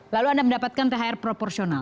lalu anda mendapatkan thr proporsional